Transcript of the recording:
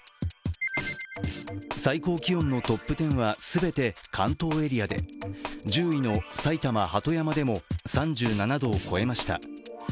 最高気温のトップテンは、全て関東エリアで１０位の埼玉・鳩山でも３７度を超えました。